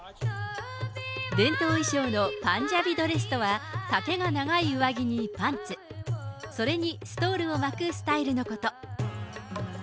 伝統衣装のパンジャビドレスとは、丈が長い上着にパンツ、それにストールを巻くスタイルのこと。